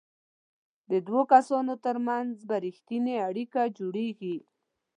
د دوو کسانو ترمنځ به ریښتینې اړیکه جوړیږي.